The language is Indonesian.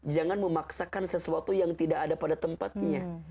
jangan memaksakan sesuatu yang tidak ada pada tempatnya